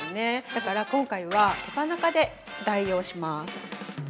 だから、今回は手羽中で代用します。